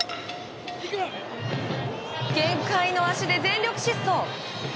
限界の足で全力疾走。